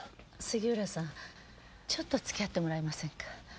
杉浦さんちょっと付き合ってもらえませんか。